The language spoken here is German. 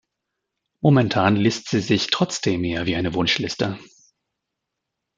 Momentan liest sie sich trotzdem eher wie eine Wunschliste.